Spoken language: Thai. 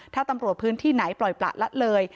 ถ้าตำรวจพื้นที่ไหนปล่อยประละเลย